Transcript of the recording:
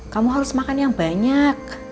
kamu harus makan yang banyak